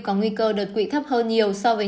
có nguy cơ đột quỵ thấp hơn nhiều so với